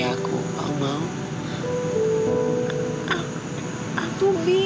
sampai kapan andre melamar dewi